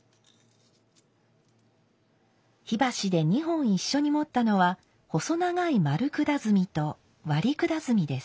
火箸で２本一緒に持ったのは細長い丸管炭と割管炭です。